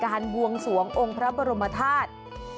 บวงสวงองค์พระบรมธาตุ